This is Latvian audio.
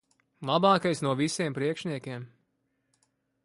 Labākais no visiem priekšniekiem.